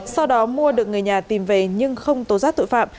sau đó mua được người nhà tìm về nhưng không tố giác tội phạm